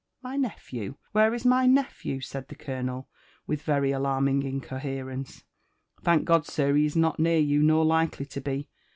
My nephew ?— where is my nephew ?" said the colonel with very alarming incoherence. *' Thank God, sir, he is not near you, nor likely to be.